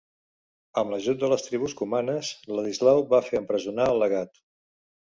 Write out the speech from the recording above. Amb l'ajut de les tribus cumanes, Ladislau va fer empresonar el legat.